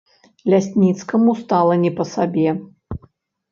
Лясніцкаму стала не па сабе.